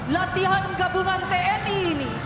latihan gabungan tni ini